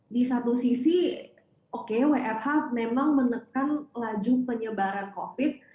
di satu sisi oke wfh memang menekan laju penyebaran covid